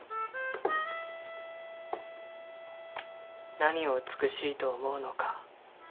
何を美しいと思うのか。